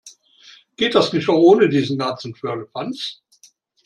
Geht das nicht auch ohne diesen ganzen Firlefanz?